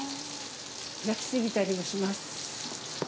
焼き過ぎたりもします。